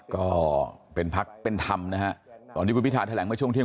ก็เป็นพักที่เป็นธรรมนะตอนนี้คุณภิษฐาแหลงมาช่วงเที่ยง